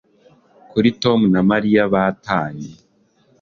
Kuki Tom na Mariya batanye